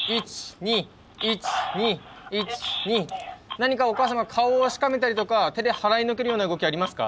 何かお母さんが顔をしかめたりとか手で払いのけるような動きありますか？